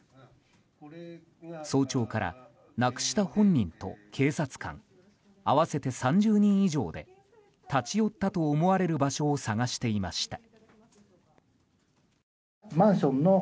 早朝から、なくした本人と警察官合わせて３０人以上で立ち寄ったと思われる場所を探していました。